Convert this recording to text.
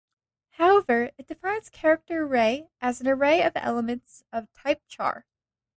However it defines "Character Array" as an array of elements of type char.